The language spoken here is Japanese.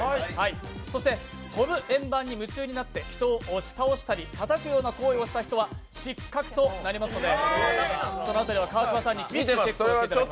そして飛ぶ円盤に夢中になって人を押し倒したりたたくような行為をした方は失格となりますのでその辺りは川島さんに見ていただきます。